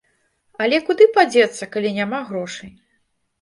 Але куды падзецца, калі няма грошай?